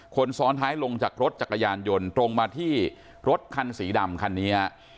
คนซ้อนท้ายลงจากรถจักรยานยนต์ตรงมาที่รถคันสีดำคันนี้ฮะ